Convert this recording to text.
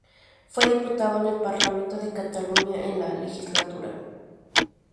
Fue diputado en el Parlamento de Cataluña en la X legislatura.